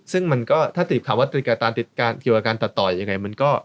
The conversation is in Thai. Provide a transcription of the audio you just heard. ซึ่งถ้าติดความว่าตริกระตานเกี่ยวกับการตัดต่อยังไง